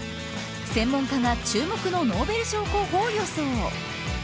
専門家が注目のノーベル賞候補を予想。